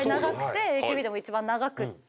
ＡＫＢでも一番長くって。